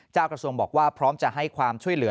กระทรวงบอกว่าพร้อมจะให้ความช่วยเหลือ